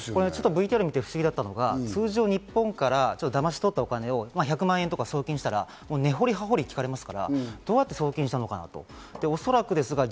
ＶＴＲを見て不思議だったのが、通常日本からだまし取ったお金を１００万円とか送金したら根掘り葉掘り聞かれますから、どうやって送金したのかなと。